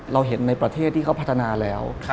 เราเห็นในประเทศที่เขาพัฒนาแล้ว